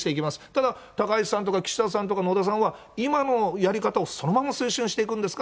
だから高市さんとか、岸田さんとか野田さんは、今のやり方をそのまま推進していくんですか？